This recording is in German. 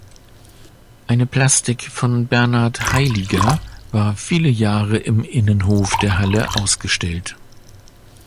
Eine Plastik von Bernhard Heiliger war viele Jahre im Innenhof der Halle ausgestellt.